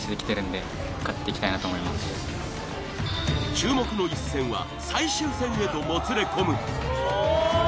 注目の一戦は最終戦へともつれこむ。